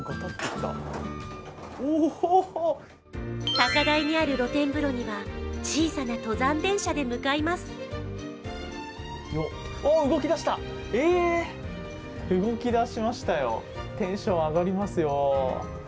高台にある露天風呂には、小さな登山電車で向かいます。